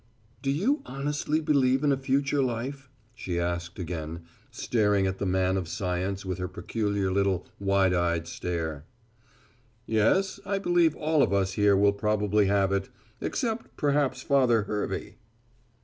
"Do you honestly believe in a future life?" she asked again, staring at the man of science with her peculiar little wide eyed stare. "Yes, I believe all of us here will probably have it except perhaps Father Hervey."